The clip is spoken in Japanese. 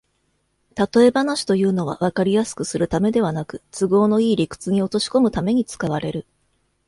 たとえ話というのは、わかりやすくするためではなく、都合のいい理屈に落としこむために使われる